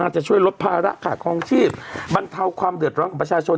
จะช่วยลดภาระขาดคลองชีพบรรเทาความเดือดร้อนของประชาชน